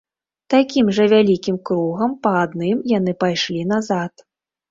Такім жа вялікім кругам, па адным, яны пайшлі назад.